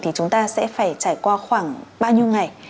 thì chúng ta sẽ phải trải qua khoảng bao nhiêu ngày